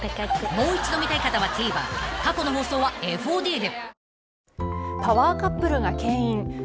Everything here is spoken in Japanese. ［もう一度見たい方はＴＶｅｒ過去の放送はＦＯＤで］